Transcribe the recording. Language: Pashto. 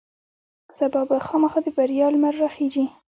سبا به خامخا د بریا لمر راخیژي.